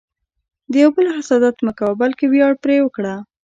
د یو بل حسادت مه کوه، بلکې ویاړ پرې وکړه.